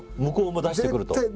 向こうも出してくると。